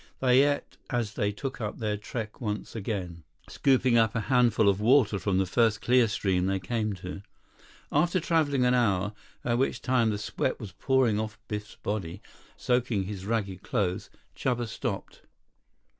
They ate as they took up their trek once again, scooping up a handful of water from the first clear stream they came to. After traveling an hour, by which time the sweat was pouring off Biff's body, soaking his ragged clothes, Chuba stopped.